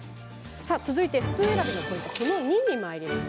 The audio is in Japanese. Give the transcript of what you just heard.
続いてスプーン選びのコツその２にまいります。